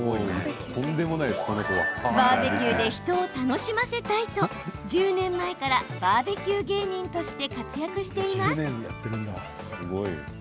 バーベキューで人を楽しませたいと１０年前からバーベキュー芸人として活躍しています。